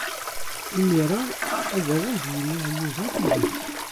Imir-a ad awen-d-yini Yuba tidet.